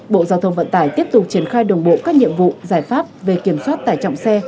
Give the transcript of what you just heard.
bộ giao thông vận tải tiếp tục triển khai đồng bộ các nhiệm vụ giải pháp về kiểm soát tải trọng xe